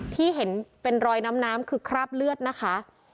ที่เห็นเป็นรอยน้ำคือคราบเลือดนะคะ